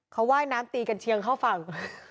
เขาว่ายน้ำตีกันเชียงเข้าฝั่ง